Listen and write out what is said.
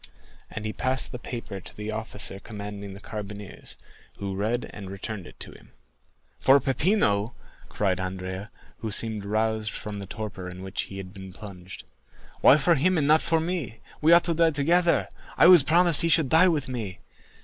And he passed the paper to the officer commanding the carbineers, who read and returned it to him. "For Peppino!" cried Andrea, who seemed roused from the torpor in which he had been plunged. "Why for him and not for me? We ought to die together. I was promised he should die with me.